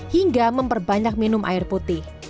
hingga memperbanyak minum air putih